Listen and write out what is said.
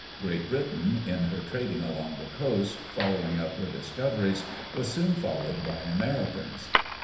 Great Britain, in her trading along the coast, following up her discoveries, was soon followed by Americans.